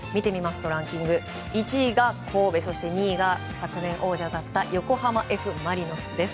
ランキング見てみますと１位が神戸そして２位が昨年王者だった横浜Ｆ・マリノスです。